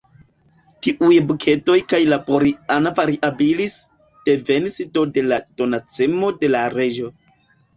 Tiuj bukedoj kaj la _Boriana variabilis_ devenis do de la donacemo de la Reĝo.